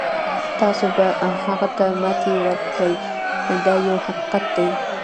تاسو به هغه ته ماتې ورکړئ دا یو حقیقت دی.